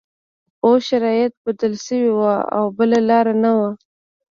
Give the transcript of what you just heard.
اوس شرایط بدل شوي وو او بله لاره نه وه